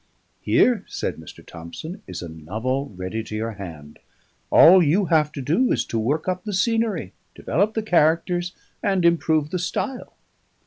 "Here," said Mr. Thomson, "is a novel ready to your hand: all you have to do is to work up the scenery, develop the characters, and improve the style."